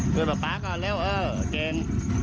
ช่วยป่าก่อนเร็วเออได้